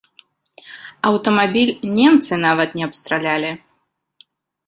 Аўтамабіль немцы нават не абстралялі!